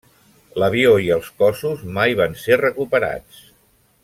L'avió i els cossos mai van ser recuperats.